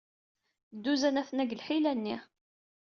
Dduzan aten-a deg lḥila-nni.